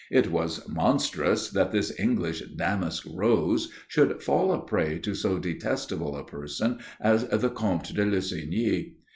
It was monstrous that this English damask rose should fall a prey to so detestable a person as the Comte de Lussigny.